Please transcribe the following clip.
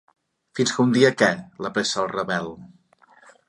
Fins que un dia què? —l'apressa el Ravel.